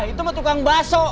ah itu mah tukang baso